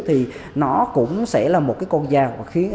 thì nó cũng sẽ là một cái con gian